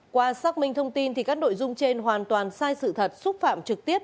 theo mình thông tin các nội dung trên hoàn toàn sai sự thật xúc phạm trực tiếp